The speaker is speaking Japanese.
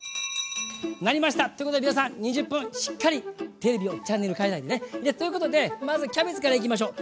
鳴りました！ということで皆さん２０分しっかりテレビをチャンネル替えないでね。ということでまずキャベツからいきましょう。